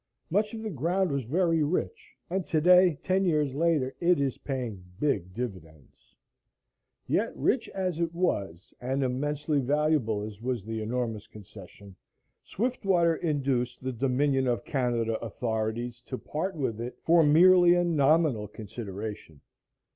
Much of the ground was very rich, and today, ten years later, it is paying big dividends. Yet rich as it was and immensely valuable as was the enormous concession, Swiftwater induced the Dominion of Canada authorities to part with it for merely a nominal consideration.